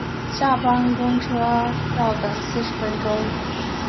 下班公车要等四十分钟